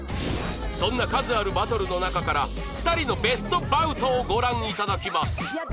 そんな数あるバトルの中から２人のベストバウトをご覧いただきます